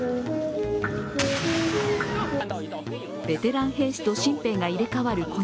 ベテラン兵士と新兵が入れ替わる